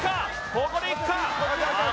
ここでいくかさあ